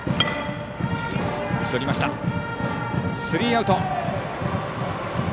スリーアウト。